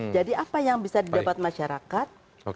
jadi apa yang bisa didapat masyarakat